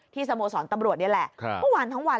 สโมสรตำรวจนี่แหละเมื่อวานทั้งวัน